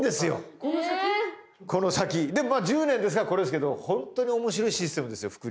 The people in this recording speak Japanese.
でもまあ１０年ですからこれですけど本当に面白いシステムですよ複利って。